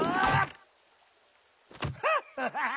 ハハハハハ！